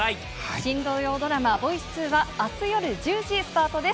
新土曜ドラマ、ボイス２は、あす夜１０時スタートです。